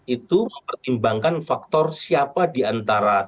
itu mempertimbangkan faktor siapa diantara